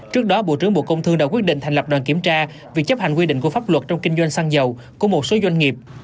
trước đó bộ trưởng bộ công thương đã quyết định thành lập đoàn kiểm tra việc chấp hành quy định của pháp luật trong kinh doanh xăng dầu của một số doanh nghiệp